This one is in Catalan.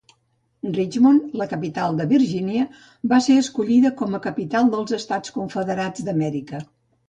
Richmond, la capital de Virgínia, va ser escollida com a capital dels Estats Confederats d'Amèrica.